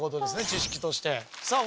知識としてさあ